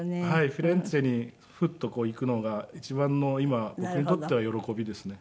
フィレンツェにフッと行くのが一番の今僕にとっては喜びですね。